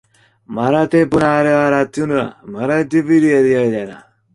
Напечатано по приказанию г. Министра Внутренних Дел.